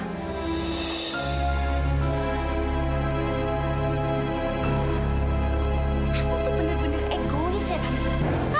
kamu tuh bener bener egois ya tante